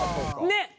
「ねっ！」